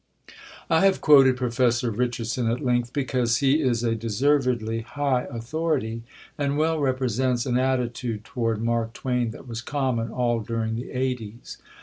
I have quoted Professor Richardson at length, because he is a deservedly high authority, and well represents an attitude toward Mark Twain that was common all during the eighties.